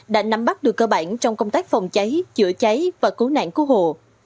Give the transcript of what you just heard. đã nắm bắt được cơ bản trong công tác phòng cháy chữa cháy và cứu nạn cứu hộ